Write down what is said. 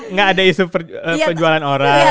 enggak ada isu perjualan orang